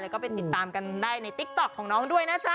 แล้วก็ไปติดตามกันได้ในติ๊กต๊อกของน้องด้วยนะจ๊ะ